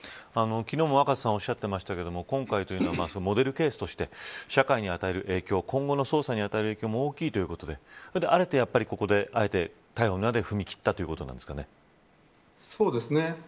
昨日も若狭さんおっしゃっていましたが、今回はモデルケースとして社会に与える影響、今後の捜査に与える影響も大きいということでここで、あえて逮捕に踏み切ったということなんでしょうか。